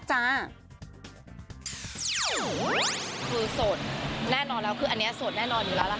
คือสดแน่นอนแล้วคืออันนี้โสดแน่นอนอยู่แล้วล่ะค่ะ